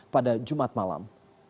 pada jumat malam